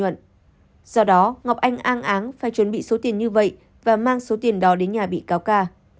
do đó ngọc anh ang áng phải chuẩn bị số tiền như vậy và mang số tiền đó đến nhà bị cáo ca